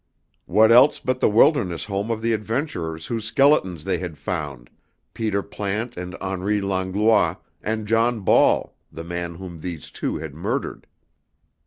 What else but the wilderness home of the adventurers whose skeletons they had found, Peter Plante and Henri Langlois, and John Ball, the man whom these two had murdered?